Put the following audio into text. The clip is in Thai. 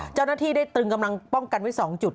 เจ้าหน้าที่ได้ตรึงกำลังป้องกันไว้๒จุด